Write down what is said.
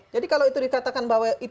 jadi kalau itu dikatakan bahwa